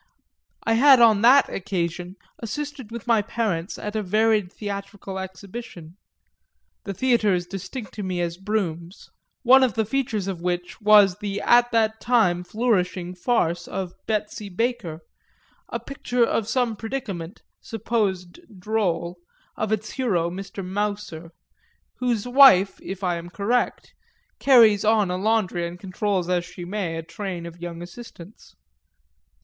I had on that occasion assisted with my parents at a varied theatrical exhibition the theatre is distinct to me as Brougham's one of the features of which was the at that time flourishing farce of Betsy Baker, a picture of some predicament, supposed droll, of its hero Mr. Mouser, whose wife, if I am correct, carries on a laundry and controls as she may a train of young assistants.